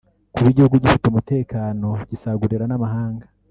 kuba igihugu gifite umutekano gisagurira n’amahanga